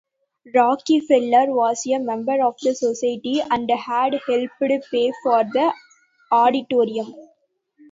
Rockefeller was a member of the society and had helped pay for the auditorium.